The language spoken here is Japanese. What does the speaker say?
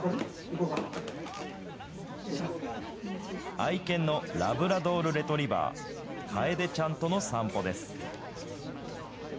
愛犬のラブラドールレトリバー、楓ちゃんとの散歩です。